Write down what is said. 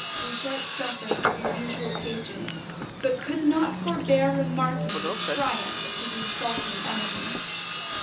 Wishart suffered with the usual patience, but could not forbear remarking the triumph of his insulting enemy.